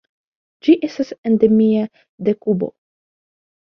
Ĝi estas endemia de Kubo.